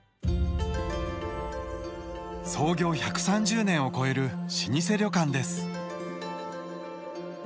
創業１３０年を超える老舗旅館です。